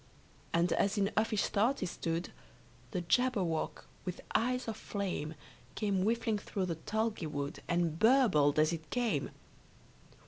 And as in uffish thought he stood, The Jabberwock with eyes of flame, Came whiffling through the tulgey wood, And burbled as it came!